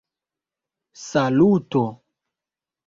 saluto